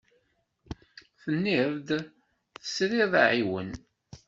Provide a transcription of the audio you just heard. Tenniḍ-d tesriḍ aɛiwen.